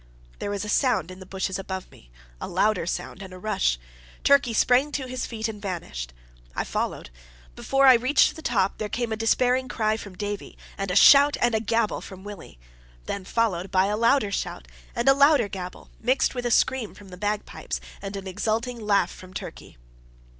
There was a sound in the bushes above me a louder sound and a rush. Turkey sprang to his feet and vanished. I followed. Before I reached the top, there came a despairing cry from Davie, and a shout and a gabble from Willie. Then followed a louder shout and a louder gabble, mixed with a scream from the bagpipes, and an exulting laugh from Turkey.